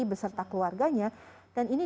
beserta keluarganya dan ini